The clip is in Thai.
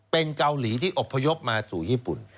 เป็นเกาหลีที่อบพยพมาสู่ญี่ปุ่น